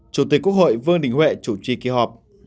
chủ tịch quốc hội vương đình huệ chủ trì kỳ họp